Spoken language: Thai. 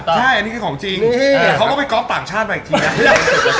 ใช่อันนี้คือของจริงเดี๋ยวเขาก็ไปก๊อฟต่างชาติมาอีกทีนะ